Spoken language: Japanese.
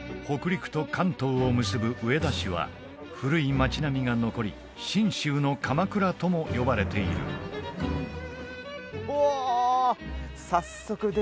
北陸と関東を結ぶ上田市は古い町並みが残り「信州の鎌倉」とも呼ばれているおお！